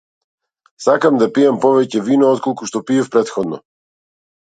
Сакам да пијам повеќе вино отколку што пиев претходно.